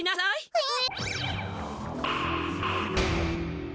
えっ。